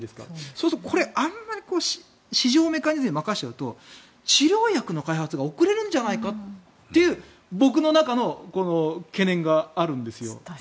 そうするとあんまり市場メカニズムに任せちゃうと、治療薬の開発が遅れるんじゃないかという僕の中の懸念があるんですよ。